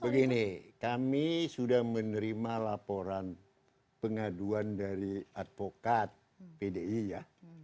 begini kami sudah menerima laporan pengaduan dari advokat pdi ya